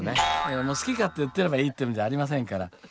もう好き勝手言ってればいいっていうのじゃありませんから。